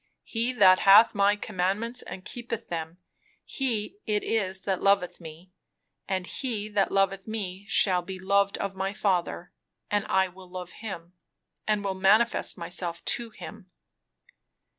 "'He that hath my commandments and keepeth them, he it is that loveth me; and he that loveth me shall be loved of my Father; and I will love him, and will manifest myself to him.'"